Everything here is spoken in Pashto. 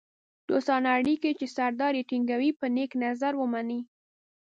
دوستانه اړیکې چې سردار یې ټینګوي په نېک نظر ومني.